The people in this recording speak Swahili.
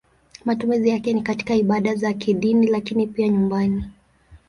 Matumizi yake ni katika ibada za kidini lakini pia nyumbani.